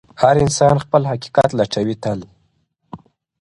هر انسان خپل حقيقت لټوي تل,